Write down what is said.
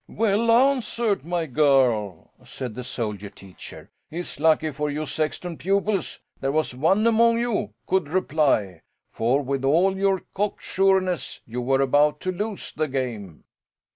"Well answered, my girl!" said the soldier teacher. "It's lucky for you sexton pupils there was one among you could reply; for, with all your cock sureness, you were about to lose the game."